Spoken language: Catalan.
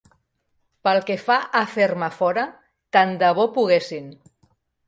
Pel que fa a fer-me fora, tan de bo poguessin!